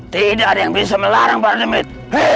tidak ada yang bisa melarang para demit